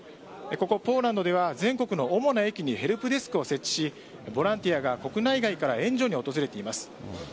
ポーランドでは全国の主な駅にヘルプデスクを設置しボランティアが国内外から援助に訪れています。